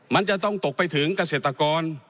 มันจะต้องตกไปถึงเกษตรกร